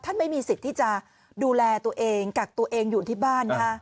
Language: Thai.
ไม่มีสิทธิ์ที่จะดูแลตัวเองกักตัวเองอยู่ที่บ้านนะคะ